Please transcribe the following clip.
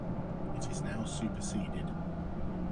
It is now superseded.